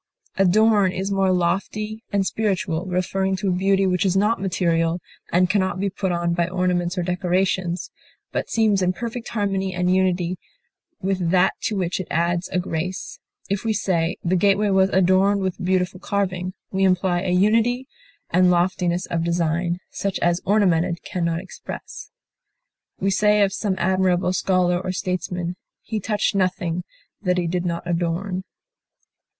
Adorn is more lofty and spiritual, referring to a beauty which is not material, and can not be put on by ornaments or decorations, but seems in perfect harmony and unity with that to which it adds a grace; if we say, the gateway was adorned with beautiful carving, we imply a unity and loftiness of design such as ornamented can not express. We say of some admirable scholar or statesman, "he touched nothing that he did not adorn."